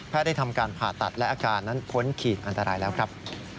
ได้ทำการผ่าตัดและอาการนั้นพ้นขีดอันตรายแล้วครับ